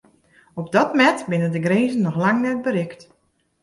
Op dat mêd binne de grinzen noch lang net berikt.